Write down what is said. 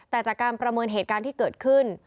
แต่จากการประเมินเหตุการณ์ที่เกิดขึ้น